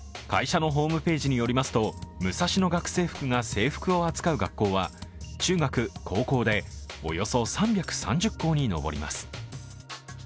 会社のホームページによりますとムサシノ学生服が制服を扱う学校は中学・高校でおよそ３３０校に上ります。